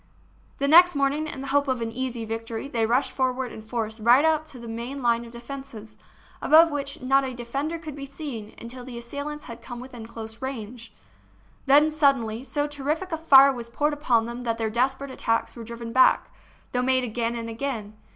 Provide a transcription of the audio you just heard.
The next morning, in the hope of an easy victory, they rushed forward in force right up to the main line of defences, above which not a de fender could be seen until the assailants had come within close range. Then, suddenly, so terrific a fire was poured upon them that their desperate attacks were driven back, though made again and again.